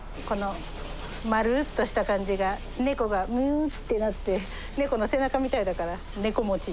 このまるっとした感じが猫がうんってなって猫の背中みたいだからねこ餅。